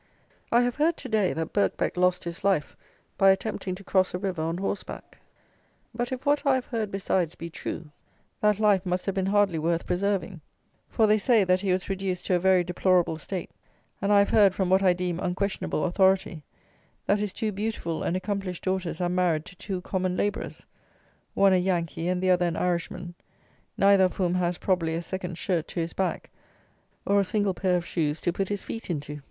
I have heard to day, that Birkbeck lost his life by attempting to cross a river on horse back; but if what I have heard besides be true, that life must have been hardly worth preserving; for, they say, that he was reduced to a very deplorable state; and I have heard, from what I deem unquestionable authority, that his two beautiful and accomplished daughters are married to two common labourers, one a Yankee and the other an Irishman, neither of whom has, probably, a second shirt to his back, or a single pair of shoes to put his feet into!